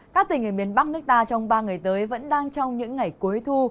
các tỉnh ở miền bắc nước ta trong ba ngày tới vẫn đang trong những ngày cuối thu